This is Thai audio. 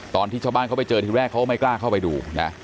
ตอนที่ชาวบ้านเขาไปเจอทีแรกเขาไม่กล้าเข้าไปดูนะ